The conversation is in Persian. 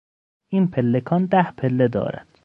این پلکان ده پله دارد.